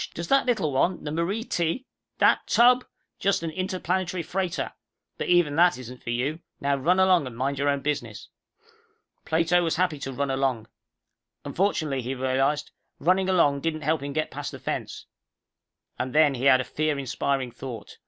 Does that little one, the Marie T. " "That tub? Just an interplanetary freighter. But even that isn't for you. Now run along and mind your own business." Plato was happy to run along. Unfortunately, he realized, running along didn't help him to get past the fence. And then he had a fear inspiring thought.